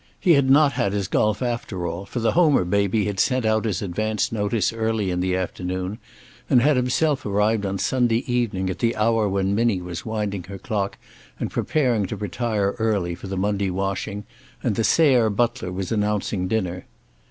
He had not had his golf after all, for the Homer baby had sent out his advance notice early in the afternoon, and had himself arrived on Sunday evening, at the hour when Minnie was winding her clock and preparing to retire early for the Monday washing, and the Sayre butler was announcing dinner.